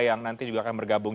yang nanti juga akan bergabung